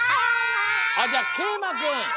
あっじゃあけいまくん。